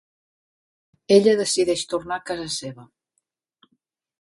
Ella decideix tornar a casa seva.